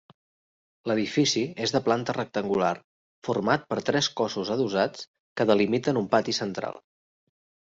L'edifici és de planta rectangular, format per tres cossos adossats que delimiten un pati central.